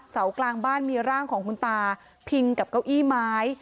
เสากลางบ้านมีร่างของคุณตาพิงกับเก้าอี้ไม้